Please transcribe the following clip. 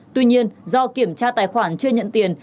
tuy nhiên do kiểm tra tài khoản chưa nhận tiền